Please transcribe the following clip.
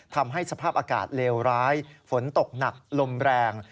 ทำให้สภาพอากาศเลวร้ายฝนตกหนักลมแรง